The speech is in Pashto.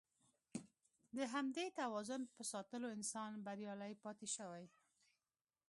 د همدې توازن په ساتلو انسان بریالی پاتې شوی.